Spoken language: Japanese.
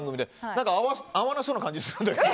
何か合わなそうな感じするんだけど。